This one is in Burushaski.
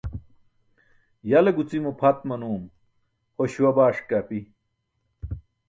Ya le gucimo phat manum, ho śuwa baaṣ ke api.